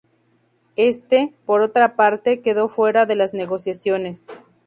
Éste, por otra parte, quedó fuera de las negociaciones.